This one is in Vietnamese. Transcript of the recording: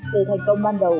từ thành công ban đầu